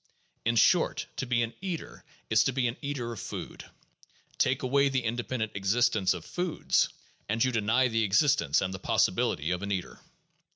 In short, to be an eater is to be an eater of food; take away the independent existence of foods, and you deny the existence and the possibility of an eater.